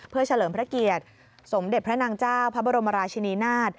เพื่อเฉลิมพระเกียรติสมเด็จพระนางเจ้าพระบรมราชินีนาฏ